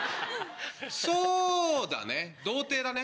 そだね童貞だね。